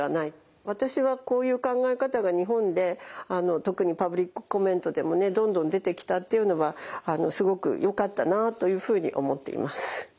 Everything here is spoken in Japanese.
私はこういう考え方が日本で特にパブリックコメントでもねどんどん出てきたっていうのはすごくよかったなというふうに思っています。